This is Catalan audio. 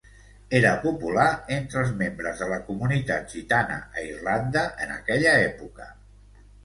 Era popular entre els membres de la comunitat gitana a Irlanda en aquella època.